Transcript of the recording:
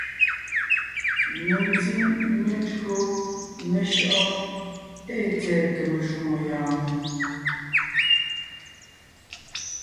Mentí metÿǒ meshÿɔʼɔ́ ée tsɛ̀ɛ kème shwòŋo yɔɔn?